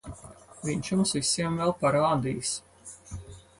Viņš jums visiem vēl parādīs...